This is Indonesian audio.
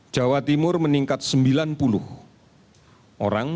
jawa timur meningkat sembilan puluh orang